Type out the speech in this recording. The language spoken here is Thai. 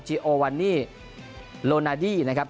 จีโอวันิโลนาดีนะครับ